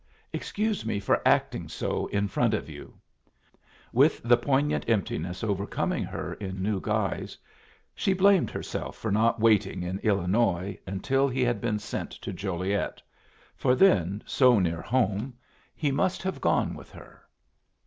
"Excuse me for acting so in front of you." With the poignant emptiness overcoming her in new guise, she blamed herself for not waiting in Illinois until he had been sent to Joliet, for then, so near home, he must have gone with her.